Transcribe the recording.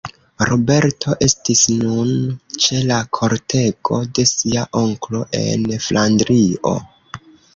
Roberto estis nun ĉe la kortego de sia onklo en Flandrio.